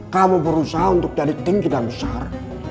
kamu berusaha untuk jadi tinggi dan besar